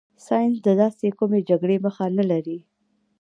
ساینس د داسې کومې جګړې مخه نه لري.